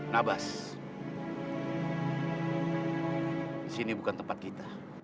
nabas di sini bukan tempat kita